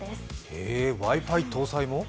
へー、Ｗｉ−Ｆｉ搭載も？